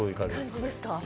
感じですか？